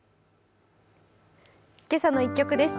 「けさの１曲」です。